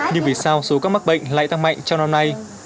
nhưng vì sao số các mắc bệnh lại tăng mạnh trong năm nay